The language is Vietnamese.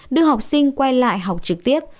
đưa học sinh quay lại học trực tiếp